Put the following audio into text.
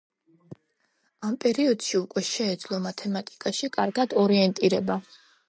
ამ პერიოდში უკვე შეეძლო მათემატიკაში კარგად ორიენტირება.